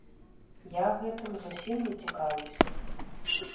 Я гэтым зусім не цікаўлюся.